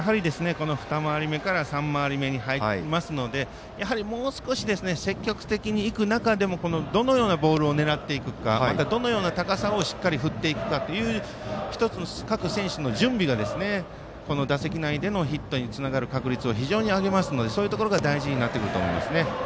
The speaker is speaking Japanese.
２回り目から３回り目に入りますのでやはりもう少し積極的にいく中でもどのようなボールを狙っていくかどのような高さを振っていくかという１つの各選手の準備が打席内でのヒットにつながる確率を非常に上げますのでそういうところが大事になってくると思いますね。